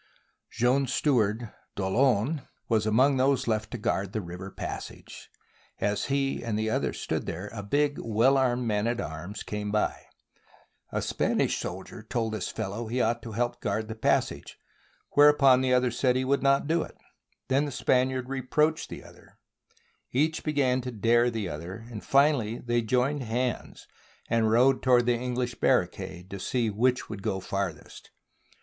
Joan's Steward, D'Aulon, was among those left to guard the river passage. As he and others stood there a " big, well armed man at arms " came by. A Spanish soldier told this fellow he ought to help THE BOOK OF FAMOUS SIEGES guard the passage; whereupon the other said he would not do it. Then the Spaniard reproached the other, each began to " dare " the other, and finally they joined hands and rode toward the English bar ricade — to see which would go farthest.